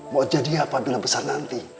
mau jadi apa duna besar nanti